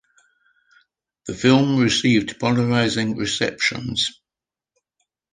The film received polarizing receptions.